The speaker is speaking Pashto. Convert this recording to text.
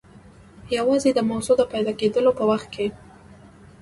یوازې د موضوع د پیدا کېدلو په وخت کې.